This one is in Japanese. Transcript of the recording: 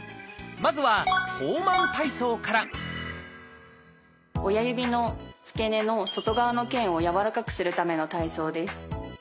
まずは「ホーマン体操」から親指の付け根の外側の腱をやわらかくするための体操です。